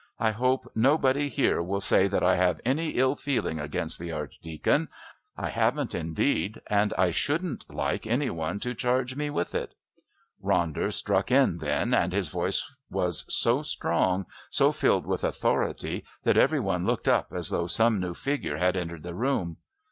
I hope nobody here will say that I have any ill feeling against the Archdeacon. I haven't, indeed, and I shouldn't like any one to charge me with it." Ronder struck in then, and his voice was so strong, so filled with authority, that every one looked up as though some new figure had entered the room.